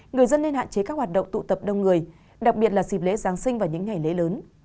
người dân nên hạn chế các hoạt động tụ tập đông người đặc biệt là dịp lễ giáng sinh và những ngày lễ lớn